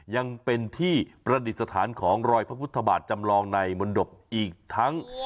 ยังเป็นที่ประดิษฐานของรอยพระพุทธบาทจำลองในมนตบอีกทั้ง